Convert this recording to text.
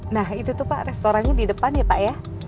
nah itu tuh pak restorannya di depan ya pak ya